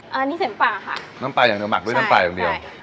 อันนี้ใส่ปลาค่ะน้ำปลาอย่างเดียวหมักด้วยน้ำปลาอย่างเดียว